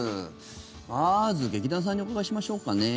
まず、劇団さんにお伺いしましょうかね。